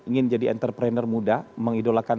menjadi entrepreneur muda mengidolakan